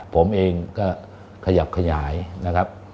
ผมเองก็ขยับขยายนะครับ